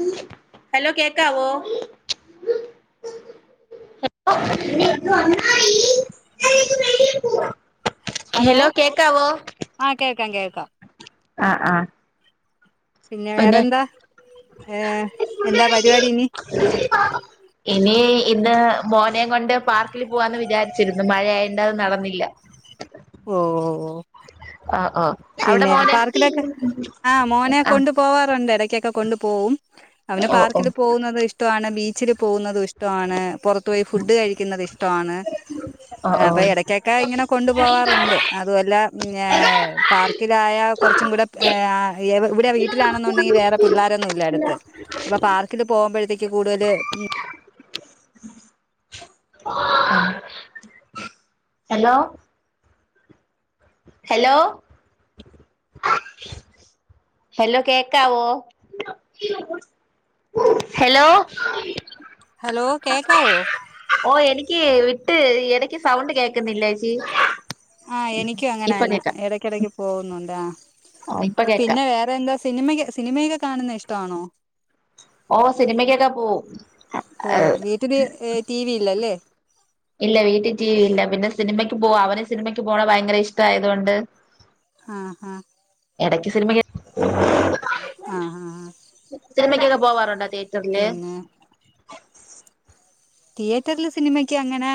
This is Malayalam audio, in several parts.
[inaudible] ഹലോ കേക്കാവോ? [inaudible] ഹെലോ കേക്കാവോ? ആഹ് കേക്കാം, കേക്കാം. ആഹ്, ആഹ് പിന്നെ വേറെന്താ ഏ എന്താ പരുപാടി ഇനി. [inaudible] ഇനി ഇന്ന് മോനെയും കൊണ്ട് പാർക്കിൽ പോവാന്ന് വിചാരിച്ചിരുന്നു മഴ ആയോണ്ട് അത് ന്നടന്നില്ല. ഓഹ് അഹ്. അഹ് പിന്നെ പാർക്കിലേക്ക്. ആഹ് മോനേ ആഹ് കൊണ്ട്. പോവാറുണ്ട്. എടക്ക്യെക്കെ കൊണ്ടു പോവും. അവന് ഓ ഓ പാർക്കില് പോവുന്നതും ഇഷ്ട്ട്വാണ്. ബീച്ചില് പോവുന്നതും ഇഷ് ട്ട്വാണ്. പൊറത്ത് പോയി ഫുഡ് കഴിക്കുന്നത് ഇഷ്ട്ട്വാണ്. ഓ ഓ അപ്പെ എടക്കൊക്കെ ഇങ്ങനെ കൊണ്ടു പോവാറുണ്ട്. അതുവല്ല ഇഞ്ഞാ പാർക്കിലായ കൊർച്ചും കൂടെ ഇവിടെ വീട്ടിലാണെന്ന്ണ്ടെങ്കി വേറെ പിള്ളോരൊന്നുല്ല അടുത്ത്. അപ്പൊ പാർക്കില് പോകുമ്പഴത്തേക്ക് കൂടുതല് ഉം. ഹലൊ. ഹലൊ. ഹലൊ. കേക്കാവോ ഹലോ. ഹലൊ. ഓ എനിക്ക് വിട്ട് എടക്ക് സൗണ്ട് കേക്കുന്നില്ലേച്ചി. ആ എനിക്കും അങ്ങനാ ഇപ്പൊ ന്നാ കേക്കാം എടക്കെടക്ക് പോവുന്നുണ്ട് ആ. ഓ ഇപ്പൊ കേക്കാം പിന്നെ വേറെ അതെന്താ സിനിമ സിനിമയക്കെ കാണുന്നത് ഇഷ്ട്വാണോ. ഓ സിനിമയ്ക്കൊക്കെ പോവും. അപ്പോ വീട്ടില് ടി വി ഇല്ലല്ലെ. ഇല്ല വീട്ടി ടി വി ഇല്ല. പിന്നെ സിനിമയ്ക്ക് പോവാ അവന് സിനിമയ്ക്ക് പോണ ഭയങ്കര ഇഷ്ടായതുകൊണ്ട്. ആഹ് ഹ എടക്ക് സിനിമക്ക് [inaudible] ആഹ് ആഹ് സിനിമയ്ക്കൊക്കെ പോവാറുണ്ടോ തിയേറ്ററ്ല്. പിന്നെ തിയേറ്ററില് സിനിമയ്ക്ക് അങ്ങനെ.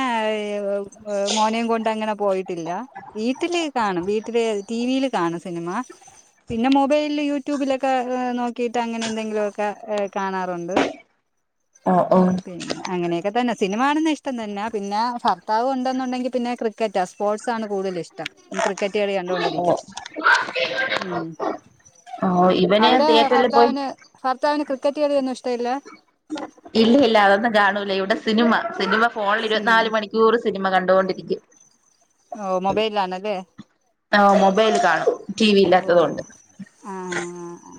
മോനേം കൊണ്ട് അങ്ങനെ പോയിട്ടില്ല. വീട്ടിലേക്കാണ് വീട്ടി ട്ടിലെ ടീവീല് കാണ സിനിമ. പിന്നെ മൊബൈലില് യൂട്യൂബിലൊക്കെ നോക്കിയിട്ട് അങ്ങനെ എന്തെങ്കിലു ഒക്കെ കാണാറുണ്ട്. ഓ ഓ ഉം പിന്നെ അങ്ങനെ ഒക്കെ തന്നെ സിനിമാണുന്നെ ഇഷ്ടം തന്നെ. പിന്നെ ഭർത്താവ് ഉണ്ടെന്നുണ്ടെങ്കി പിന്നെ ക്രിക്കറ്റാ സ്പോർട്സാണ് കൂടുതലിഷ്ടം ക്രിക്കറ്റ് കളി ഓ കണ്ടോണ്ടിരിക്കും ഉം. ഓ ഇവന് അവിടെ തിയേറ്ററിൽ പോയി ഭർത്താവിന് ഭർത്താവിന് ക്രിക്കറ്റ് കളിയൊന്നും ഇഷ്ട്ട വില്ല. ഇല്ല ഇല്ല അതൊന്നും കാണൂല്ല. ഇവിടെ സിനിമ സിനിമ ഫോൺല് സിനിമ ഇരുപത്തിനാല് മണിക്കൂറ് സിനിമ കണ്ടോണ്ടിരിക്ക്യും. ഓഹ് മൊബൈലിലാണെല്ലെ. ആ മൊബൈല് കാണും ടി വി ഓ ഇല്ലാത്തത് കൊണ്ട്. ആഹ്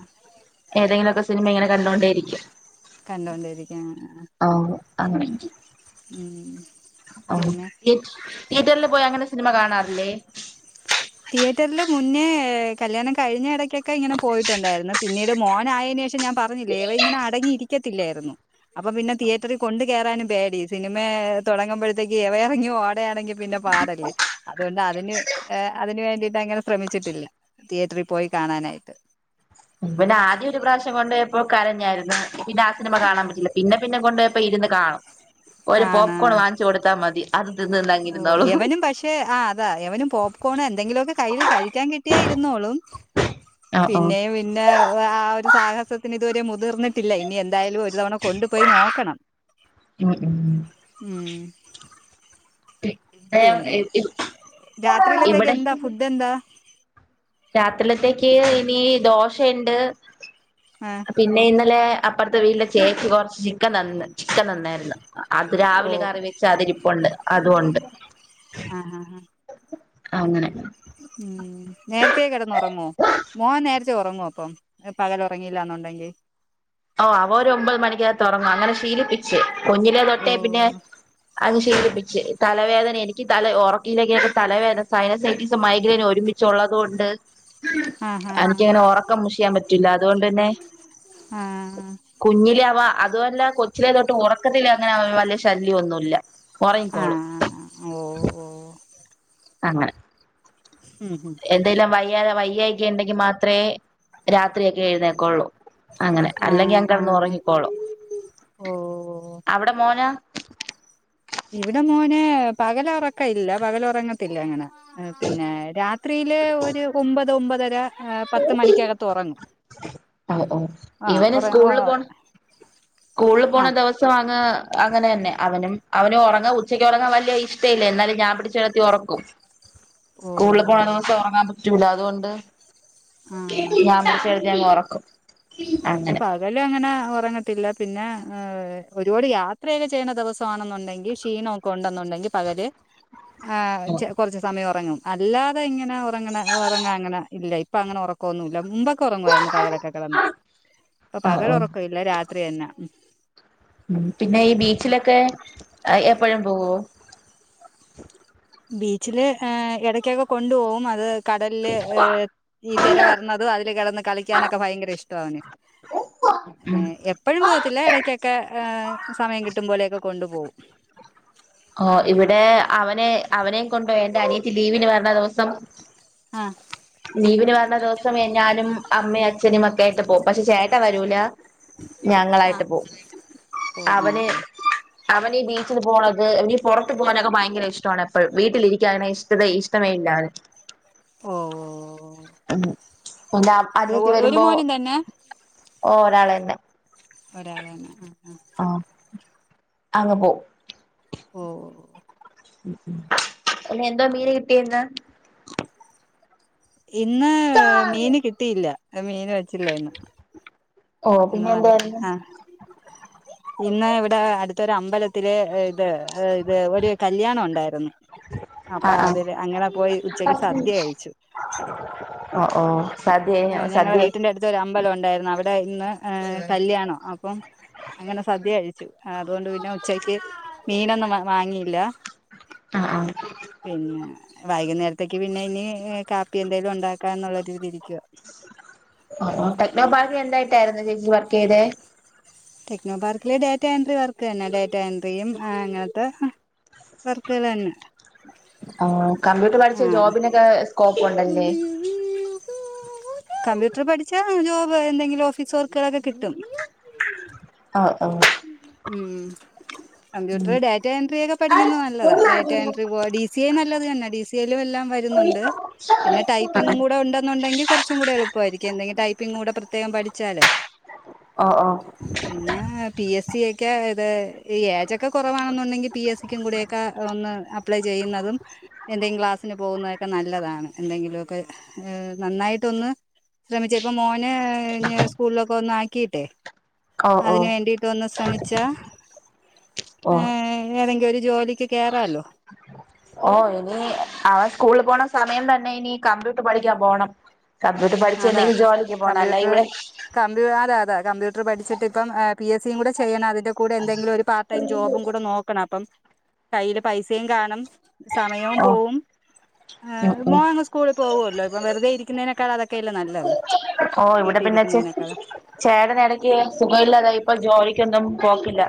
ഏതെങ്കിലൊക്കെ സിനിമ ഇങ്ങനെ കണ്ടോണ്ടേയിരിക്കും. കണ്ടോണ്ടിരിക്കാം ആ ആ. ഓ അങ്ങനെ ഉം. പിന്നെ. തിയേറ്ററില് പോയി അങ്ങനെ സിനിമ കാണാറില്ലെ തിയേറ്ററില് മുന്നേ കല്യാണം കഴിഞ്ഞ ഇടക്കൊക്കെ ഇങ്ങനെ പോയിട്ടുണ്ടായിരുന്നു. പിന്നീട് മോനായേനേഷം പക്ഷെ ഞാൻ പറഞ്ഞില്ലേ ഇവ ഇങ്ങനെ അടങ്ങിയിരിക്കെത്തില്ലായിരുന്നു. അപ്പൊ പിന്നെ തിയേറ്ററി കൊണ്ടു കേറാനും പേടി. സിനിമെ തൊടങ്ങുമ്പഴത്തേക്ക് എളേ എറങ്ങി ഓടാണെങ്കി പിന്നെ പാടല്ലെ. അതുകൊണ്ട് അതിന് ഏ അതിന് വേണ്ടീട്ട് അങ്ങനെ ശ്രമിച്ചിട്ടില്ല. തിയേറ്ററി പോയി കാണാനായിട്ട്. ഇവനെ ആദ്യം ഒരു പ്രാവശ്യം കൊണ്ടേയപ്പൊ കരഞ്ഞായിരുന്നു. പിന്നെ ആ സിനിമ കാണാൻ പറ്റില്ല. പിന്നെ പിന്നെ കൊണ്ടേയപ്പം ഇരുന്ന് കാണും. ഒരു കാണാ പോപ്കോൺ വാങ്ങിച്ചു കൊടുത്താ മതി. അത് തിന്ന് തിന്ന് ഓ അങ്ങിരുന്നോളും എവനും ഭക്ഷ് ക്ഷേ ആ അതാ എവനും പോപ്കോൺ എന്തെങ്കിലുമൊക്കെ കയ്യിൽ കഴിക്കാൻ കിട്ടിയാ ഇരുന്നോളും ആഹ് ആഹ് പിന്നെയും പിന്നെ ആ ഒരു സാഹസത്തിന് ഇതുവരെ മുതിർന്നിട്ടില്ല ഇനി എന്തായാലും ഒരു തവണ കൊണ്ടുപോയി നോക്കണം മം മം ഉം പിന്നെ [unintelligible] രാത്രിയിലത്തേക്ക് ഇബടെ എന്താ ഫുഡ് എന്താ രാത്രിലെത്തേക്ക് ഇനി ദോശയിണ്ട് മ്മ്ഹ് പിന്നെ ഇന്നലെ അപ്പറത്തെ വീട്ടിലെ ചേച്ചി കൊറച്ച് ചിക്കൻ തന്ന് ചിക്കൻ തന്നായിരുന്നു അത് ഓ രാവിലെ കറി വെച്ചാ അതിരിപ്പണ്ട് അതുകൊണ്ട് ആഹ് ആഹ് ആഹ് അങ്ങനെ ഉം നേരത്തേ കിടന്നുറങ്ങോ മോൻ നേരത്തെ ഉറങ്ങോപ്പം പകല ഉറങ്ങിയില്ലന്നുണ്ടെങ്കി ഓ അവ ഒരു ഒമ്പത് മണിക്കക തുറങ്ങും അങ്ങനെ ശീലിപ്പിച്ച് കുഞ്ഞിലേ ഓ തൊട്ടേ പിന്നെ അത് ഷീലിപ്പിച്ച് തലവേദന എനിക്ക് തല ഉറക്കയിലേക്കെ തലവേദന സൈനസറ്റീസ മൈഗ്രൈന ഒരുമി ചുള്ളത് കൊണ്ട് ആ ആ ആ എനിക്കിങ്ങനെ ഉറക്കം മുഷിയാൻ പറ്റൂല്ല അതുകൊണ്ട് തന്നെ ആഹ് കുഞ്ഞില അവ അതുവല്ല കൊച്ചിലേ തൊട്ട് ഉറക്കത്തില് അങ്ങനെ അവ വല ശല്യന്നുല്ല ആഹ് ഓഹ് ഓഹ് അങ്ങനെ മം മം എന്തെങ്കലും വയ്യ വയ്യ ഒക്കെ ണ്ടെങ്കി മാത്രെ രാത്രിയൊക്കെ എഴുന്നേക്കുള്ളൂ അങ്ങനെ ആ അല്ലെങ്ക [unintelligible] ആ കിടന്ന് ആ ഉറങ്ങിക്കോളും ഓ അവിടെ മോനാ ഇവിടെ മോനെ പകല ഉറക്കല്ല പകല ഉറങ്ങ ങ്ങനെ പിന്നെ രാത്രിയില് ഒരു ഒമ്പത് ഒമ്പതര പത്ത് മണിക്കകത്ത് ഒറങ്ങും ഓഹ് ഓഹ് ഇവന് സ്കൂളിൽ പോണ സ്കൂളിൽ ആ പോണ ദിവസം വാങ്ങ അങ്ങനെ ന്നെ അവനു അവനു ഉറങ്ങാ ഉച്ചക്ക് ഉറങ്ങാൻ വലിയ ഇഷ്ട ഇല്ല എന്നാലും ഞാൻ ചടത്തി ഉറക്കും ഓ സ്കൂളില് പോണ ദിവസം ഉറങ്ങാൻ പറ്റൂല അതുകൊണ്ട് ആ ഞാൻ പിടിച്ചേ ത്തി അങ്ങ് ഒറക്കും ഇത് പ ഇവൽ അങ്ങനെ ഉറങ്ങത്തില്ല പിന്നെ ഒരുപാട് യാത്രയൊക്കെ ചെയ്യണ ദിവസമാണെന്നുണ്ടെങ്കിൽ ക്ഷീണവു കൊണ്ടുവന്നുണ്ടെങ്കിൽ പകല് ഉം ആഹ് കുറച്ച് സമയം ഉറങ്ങും അല്ലാതെ ഇങ്ങനെ ഉറങ്ങണ ഉറങ്ങാ അങ്ങന ഇല്ല ഇപ്പ അങ്ങനെ ഉറക്കൊന്നുല്ല മുമ്പൊക്കെ ഉറങ്ങുവായിരുന്നു പകലൊക്കെ കടന്ന് ഇപ്പൊ ഓ പകല ഓ ഉറക്ക ഇല്ല രാത്രി ന്നേ പിന്നെ ഈ ബീച്ചിലൊക്കെ എപ്പോഴും പോവോ ബീച്ചില് എടക്കൊക്കെ കൊണ്ടു പോകും അത് കടലില് ഈ തിര വരന്നതും അതില് കിടന്ന് കളിക്കാനൊക്കെ ഭയങ്കര ഇഷ്ടം അവന് ഉം ഏഹ് എപ്പോഴും പോവത്തില്ല ഇടക്കൊക്കെ ഏഹ് സമയം കിട്ടും പോലെയൊക്കെ കൊണ്ടു പോകും ഓഹ് ഇവിടെ അവനെ അവനെയും കൊണ്ടപോയി എന്റെ അനിയത്തി ലീവിന് വരണ ദിവസം ആഹ് ലീവിന് വരണ ദിവസം ഞാനും അമ്മയും അച്ഛനും ഒക്കെ ആയിട്ട് പോകും പക്ഷെ ചേട്ട വരൂല ആ ഞങ്ങളായ്ട്ട് പോവും ഓ ആ അവന് ആ അവനീ ബീച്ചിൽ പോണെത് അവനി പൊറത്ത് പോകാനൊക്കെ ഭയങ്കര ഇഷ്ടവാണ് എപ്പഴും വീട്ട്ലിരിക്കാണേഷ് തതേ ഇഷ്ടമേ ഇല്ലാ അവന് ഓഹ് ഉം ന്താ അനിയെത്തി ഒരു വെര്മ്പോ മോനും തന്നെ ഓഹ് ഒരാളെന്നെ ഒരാളാണ് ആഹ് ആഹ് ആഹ് അപ്പ പോവും ഓഹ് ഇന്നെന്തോ മീന് കിട്ടിയെത് ഇന്ന് മീന് കിട്ടിയില്ല മീന് വെച്ചില്ലായ്ര്ന്നു ഓഹ് പിന്നെ എന്തേയ്ര്ന്ന് ഇന്ന് വ്ടെ അട്ത്തൊര് അമ്പലത്തില് ത് ഏഹ് ഇത് ഒര് കല്ല്യാണം ഒണ്ടായ്ര്ന്ന് അപ്പാ ആഹ് അതില് അങ്ങെനെ പോയി ഉച്ചയ്ക്ക് സദ്യ കഴിച്ചു ഒഹ് ഓഹ് സദ്യേന്യോ സദ്യേ ത്തൊരമ്പലം ഒണ്ടായ്ര്ന്ന് അവിടെ ഇന്ന് ഏഹ് കല്ല്യാണാ അപ്പം അങ്ങെനെ സദ്യ കഴി ച്ചു അതോണ്ട് പിന്നെ ഉച്ചയ്ക്ക് മീനൊന്നും വ വാങ്ങിയില്ലാ ആഹ് ആഹ് പിന്നെ വൈക്ന്നേര്ത്തേക്ക് പിന്നെ ഇനി കാപ്പി എന്തേലും ഉണ്ടാക്കാന്നുള്ള രീതി ഇരിയ്ക്കുവാ ടെക്നോ പാർകി എന്തായ്ട്ടായ്ര്ന്നു ചേച്ചി വർക്കെയ്തേ ടെക്നോ പാർക്കില് ഡേറ്റാ എൻട്രി വർക്ക് തന്നെ ഡേറ്റാ എൻട്രിയും ആഹ് അങ്ങൻത്ത വർക്ക്കള് തന്നെ ഓഹ് കമ്പ്യൂട്ടർ പഠ്ച്ചാ ആഹ് ജോബ്നാെക്കേ സ്കോപ്പുണ്ടല്ലേ കമ്പ്യൂട്ടർ പഠിച്ചാ ജോബ് എന്തെങ്കിലും ഓഫീസ് വർക്ക്കളാെക്കെ കിട്ടും ആഹ് ആഹ് ഉം ഉം കമ്പ്യൂട്ടെറ് ഡാറ്റ എൻട്രിയൊക്കെ ഓഹ് പഠിക്ക്ന്ന നല്ലതാ ഓഹ് ഡാറ്റ എൻട്രി ബോഡീ സിയേം നല്ലത് തന്നെ ഡി സി യേലും എല്ലാം വര്ന്നുണ്ട് പിന്നെ ടൈപ്പിങ്ങും കൂടെ ഉണ്ടെന്നുണ്ടെങ്കി കൊർച്ചും കൂടെ എളുപ്പായ്രിക്കും എന്തെങ്കി ടൈപ്പിങ്ങൂടെ പ്രത്യേകം പഠിച്ചാലേ ആഹ് ആഹ് പിന്നേ പി എസ്സി ഏക്കെ ഇത് ഈ ഏജാെക്കെ കൊറവാണുന്നുണ്ടെങ്കി പി എസ്സിയ്ക്കും കൂടെ എക്കാ ഒന്ന് അപ്ലെ ചെയ്യ്ന്നതും എന്തെങ്കി ക്ലാസ്സ്ന് പോവ്ന്നതെക്കെ നല്ലെതാണ് എന്തെങ്കിലു ഒക്കെ നന്നായിട്ടൊന്ന് ശ്രമിച്ച് ഇപ്പ മോന് ഇഞ്ഞ് സ്കൂൾലൊക്കൊന്നാക്കീട്ടെ ഓഹ് ഓഹ് ഒന്ന് ശ്രമിച്ചാ ഓഹ് ഏഹ് ഏതെങ്കി ഒര് ജോലിയ്ക്ക് കേറാല്ലോ ഓഹ് ഇനി അവൻ സ്കൂൾല് പോണ സമയം തന്നെ ഇനി കമ്പ്യൂട്ട്റ് പഠിക്കാം പോണം കംമ്പ്യൂട്ട്റ് പഠിച്ച് അതാ എന്തെങ്കി ജോലിക്ക് പോണം അല്ലാ കമ്പ്യൂട്ടർ ഇവ്ടെ കമ്പ്യൂ അതെയതെ കമ്പ്യൂട്ട്റ് പഠിച്ച്ട്ട് ഇപ്പം ഏഹ് പി എസ്സിയും കൂടെ ചെയ്യണം അതിന്റെ കൂടെ എന്തെങ്കിലും ഒര് പാർടൈം ജോബും കൂടെ നോക്കണം അപ്പം കയ്യില് പൈസേം കാണും സമയോം ഓഹ് പോവും ഉം ഏഹ് ഉം മോനങ്ങ് സ്കൂളി പോവാെല്ലോ ഇപ്പം വെറ്തെ ഇര്ക്ക്ന്നേനേക്കാളത് ഓഹ് ഇവ്ടെ പിന്നെ ച്ച് ഇരിക്കുന്നതിനേക്കാളും ചേട്ടെന് എടെക്ക് സുഖാെയില്ലാതായി ഇപ്പം ജോലിയ്ക്കൊന്നും പോക്കില്ലാ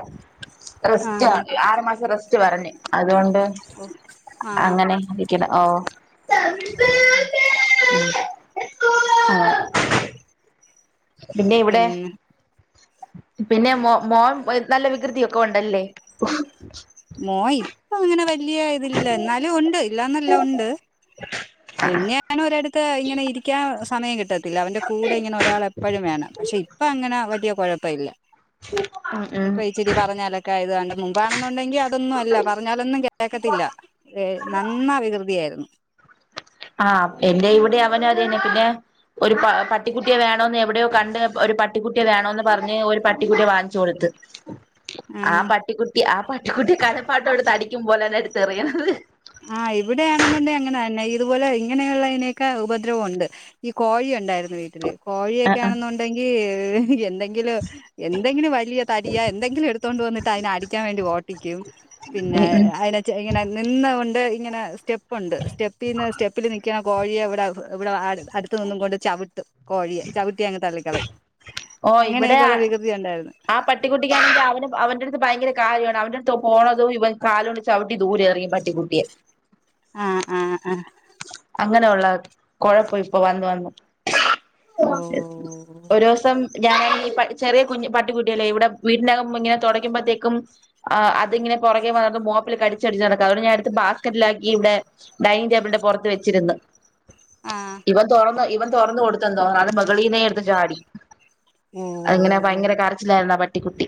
റെസ്റ്റാ ആഹ് ആറ് മാസം റെസ്റ്റ് പറഞ്ഞ് അത്കൊണ്ട് ആഹ് അങ്ങെനെ ഇ യ്ക്ക്ണ് ഓഹ് ആഹ് [inaudible] പിന്നെ ഇവ്ടെ പിന്നെ മോ മോൻ നല്ല വികൃതിയൊക്ക ഉണ്ടല്ലേ മോൻ ഇപ്പ അങ്ങന വെല്ല്യ ഇതില്ല എന്നാലും ഉണ്ട് ഇല്ലാന്നല്ല ഉണ്ട് മുന്ന ഒരട്ത്ത് ഇങ്ങനെ ഇരിക്കാൻ സമയം കിട്ട ട്ടില്ല അവന്റെ കൂടെ ഇങ്ങനെ ഒരാള് എപ്പഴും വേണം പശേ ഇപ്പ അങ്ങനെ വല്ല്യ കൊഴപ്പ ഇല്ല ഉം ഉം ഉം തിരി പറഞ്ഞാലക്ക ഇത് കണ്ട് മുമ്പാണെന്നുണ്ടെങ്കി അതൊന്നു അല്ല പറഞ്ഞാലൊന്നു കേക്കത്തില്ല ഏഹ് നന്ന വികൃതിയാര്ന്നു ആഹ് എന്റെ ഇവിടെ അവന് [unintelligible] പിന്നെ ഒരു പ പട്ടിക്കുട്ടിയെ വേണോന്ന് എവിടെയോ കണ്ട് ഒരു പട്ടിക്കുട്ടിയെ വേണോന്ന് പർഞ്ഞ് ഒരു പട്ടിക്കുട്ടിയെ വാങ്ങിച്ച് കൊട്ത്ത് ആ ആഹ് പട്ടിക്കുട്ടി ആ പട്ടിക്കുട്ടി [unintelligible] അടിക്കും പോലന്നെ എട്ത്ത് എറിയണത് ആഹ് ഇവിടെയാണെന്നുണ്ടെ അങ്ങന അന്ന ഈ അതുപോലെ ഇങ്ങനെയുള്ള ഇനെക്ക ഉപദ്രവോം ഉണ്ട് ഈ കോഴി ഉണ്ടായിരുന്നു വീട്ടില് കോഴിയക്ക അണെന്നു ണ്ടെങ്കി എന്ത ങ്കിലും എന്തങ്കിലും വലിയ തടിയ എന്തങ്കിലും എട്ത്തോണ്ട് വന്ന്ട്ട് അയ്ന അടിക്കാ വേണ്ടി ഓട്ടിക്കും ഉം ഉം ഇങ്ങന നിന്ന കൊ ണ്ട് ഇങ്ങന സ്റ്റെപ്പുണ്ട് സ്റ്റെപ്പീന്ന് സ്റ്റെപ്പില് നിക്ക്ണ കോഴിയെവ്ട ഇവ്ടാ അട് ത് നിന്നും കൊണ്ട് ചവ്ട്ടും കോഴിയെ ചവ്ട്ടിയങ് തള്ളിക്കളയും ഓ ഇവിടെ അങ്ങനെയൊക്കെയുള്ള വികൃതി ഉണ്ടായിരുന്നു ആ പട്ടിക്കുട്ടിക്കാണെങ്കിൽ അവന്റെ അടുത്ത് ഭയങ്കര കാര്യമാണ് അവന്റെ അടുത്ത് പോണത ഇവൻ കാലുകൊണ്ട് ചവിട്ട ദൂരഎറിയു പട്ടിക്കുട്ടിയെ ആഹ് ആഹ് ആഹ് അങ്ങനെയുള്ള കുഴപ്പം ഇപ്പൊ വന്ന വന്നു ഓ ഓരോസം ഞാനൻ ചെറിയ കുഞ്ഞ പട്ടിക്കുട്ടിയല്ലേ ഇവിടെ വീടിനകം ഇങ്ങനെ തുടക്കുമ്പോഴത്തേക്കും ആഹ് അതിങ്ങെനെ പുറകെ വന്നട്ട് മോപ്പില് കടിച്ചടിച്ച് നടക്കുക അതൊ ഞാന അടുത്ത് ബാസ്ക്കറ്റിലാക്കിട്ട് ഡൈനിങ് ടേബിളിന്റെ പുറത്ത് വെച്ചിര്ന്ന് ആഹ് ഇവൻ തുറന്നന്ന് ഇവൻ തുറന്ന് കൊടുത്തന്തോ നെ മുകളീന്നെ എടുത്ത്ചാടി ഓ അങ്ങനെ ഭയങ്കര കരച്ചിലായിരുന്നു ആ പട്ടിക്കുട്ടി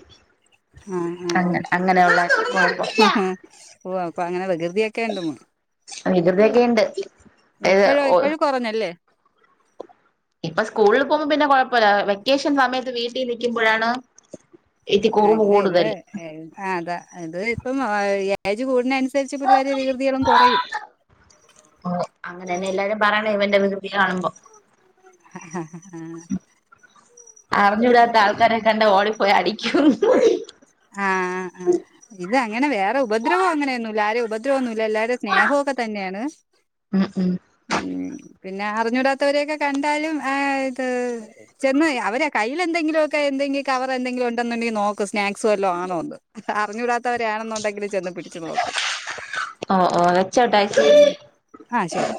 ആഹ് അങ്ങനെ അങ്ങനെയുള്ള ആഹ് കുഴപ്പം ആഹ് ഓ ഓ അപ്പൊ അങ്ങനെ വികൃതിയാക്കെ ഉണ്ടമ്മ വികൃതിയൊക്കെണ്ട് ഇപ്പയൊ ഇപ്പഴും കുറഞ്ഞല്ലേ ഇപ്പൊ സ്കൂളിൽ പോകുമ്പോം പിന്നെ കുഴപ്പമില്ല വെക്കേഷൻ സമയത്ത് വീട്ടിൽ നിക്കുമ്പോഴാണ് ഇത്തി ആഹ് കുറുമ്പ് അല്ല ഇത് കൂടുതല് ആഹ് അതാ ഇത് ഇപ്പം ഏജ് കൂടണന നുസരിച്ച് പിള്ളേരെ വികൃതികളും കുറയും ഓഹ് അങ്ങനെന്നെ എല്ലാരും പറയണം ഇവന്റെ വികൃതി കാണുമ്പോ അറിഞ്ഞുടാത്ത ആൾക്കാരെ കണ്ട ഓളി പോയി അടിക്കും ആഹ് ആഹ് ഇത് അങ്ങനെ വേറെ ഉപദ്രവോ അങ്ങനെയൊന്നുല്ല ആരും ഉപദ്രവൊന്നുല്ല എല്ലാവരുടെ സ്നേഹയൊക്കെ തന്നെയാണ് ഉം ഉം ഉം പിന്നെ അറിഞ്ഞൂടാത്തവരെയൊക്കെ കണ്ടാലും ആഹ് ഇത് ചെന്ന് അവര് കയ്യിൽ എന്തങ്കിലുമൊക്കെ എന്തെങ്കിലും കവർ എന്തെങ്കിലും ഉണ്ടെന്നുണ്ടെങ്കിൽ നോക്ക സ്നാക് സൊലോ ആണോന്ന് അറിഞ്ഞൂടാത്ത വരാണെന്നുണ്ടെങ്കിൽ ചെന്ന് പിടിച്ചു നോക്കും ഓ ഓ ഉം [unintelligible] ആ ശരി